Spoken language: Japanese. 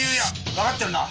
わかってるな？